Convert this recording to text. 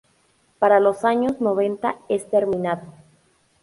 Para los años noventa es terminado.